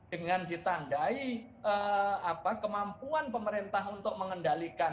dengan ditandai kemampuan pemerintah untuk mengendalikan